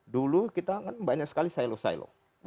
dulu kita kan banyak sekali silo silo